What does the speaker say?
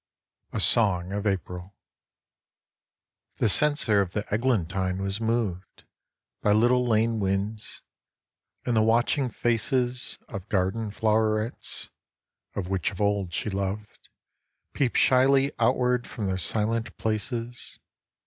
A SONG OF APRIL The censer of the eglantine was moved By little lane winds, and the watching faces Of garden flowerets, which of old she loved. Peep shyly outward from their silent places.